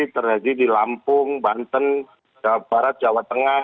terjadi di lampung banten jawa barat jawa tengah